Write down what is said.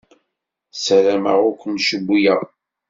Ssarameɣ ur ken-cewwleɣ.